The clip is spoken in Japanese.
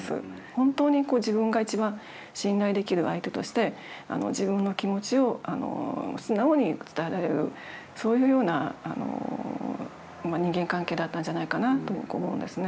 本当に自分が一番信頼できる相手として自分の気持ちを素直に伝えられるそういうような人間関係だったんじゃないかなと思うんですね。